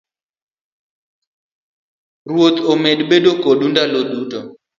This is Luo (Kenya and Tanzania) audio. Ruoth obed kodu ndalo duto.